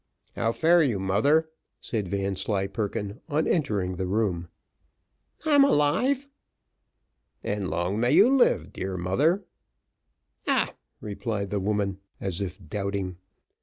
"How fare you, mother?" said Vanslyperken on entering the room. "I'm alive." "And long may you live, dear mother." "Ah," replied the woman, as if doubting.